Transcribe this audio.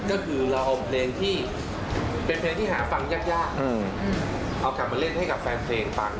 ก็คือเราเอาเพลงที่เป็นเพลงที่หาฟังยากเอากลับมาเล่นให้กับแฟนเพลงฟัง